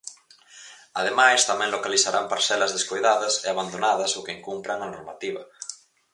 Ademais, tamén localizarán parcelas descoidadas e abandonadas ou que incumpran a normativa.